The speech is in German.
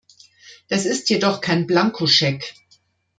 Das ist jedoch kein Blankoscheck.